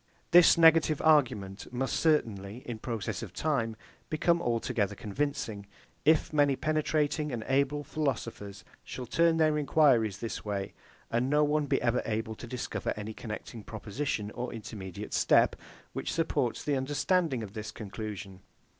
This negative argument must certainly, in process of time, become altogether convincing, if many penetrating and able philosophers shall turn their enquiries this way and no one be ever able to discover any connecting proposition or intermediate step, which supports the understanding in this conclusion.